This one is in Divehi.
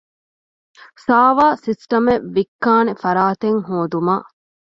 ސާވާރ ސިސްޓަމެއް ވިއްކާނެ ފަރާތެއްހޯދުމަށް